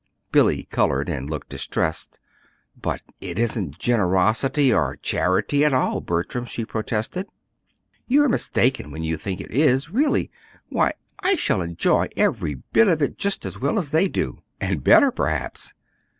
Billy colored and looked distressed. "But it isn't generosity or charity at all, Bertram," she protested. "You are mistaken when you think it is really! Why, I shall enjoy every bit of it just as well as they do and better, perhaps."